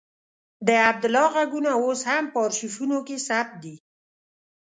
د عبدالله غږونه اوس هم په آرشیفونو کې ثبت دي.